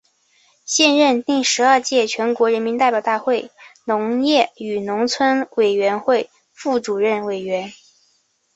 现任第十二届全国人民代表大会农业与农村委员会副主任委员。